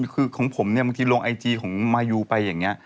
คือของผมเนี่ยบางทีลงไอจีของมายูไปอย่างนี้